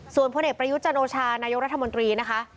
ส่วนพลเอกประยุทธ์จันโอชานายกรัฐมนตรีนะคะ